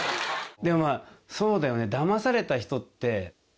でもまあそうだよね。